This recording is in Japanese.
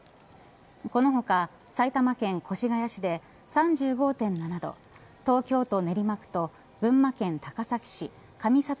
この他、埼玉県越谷市で３５．７度東京都練馬区と群馬県高崎市上里